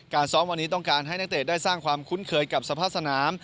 ซ้อมวันนี้ต้องการให้นักเตะได้สร้างความคุ้นเคยกับสภาพสนาม